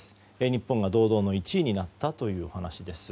日本が堂々の１位になったというお話です。